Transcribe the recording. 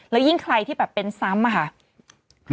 แล้วยิ่งใครที่แบบเป็นซ้ำอะค่ะ